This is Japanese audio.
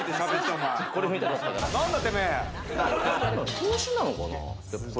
投資なんかな？